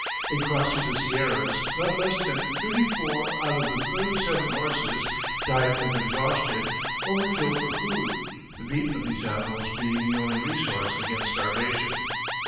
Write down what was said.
In crossing the Sierras not less than thirty four out of the sixty seven horses died of exhaustion or were killed for food, the meat of these animals being the only resource against starvation.